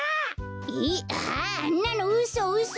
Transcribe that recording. あああんなのうそうそ。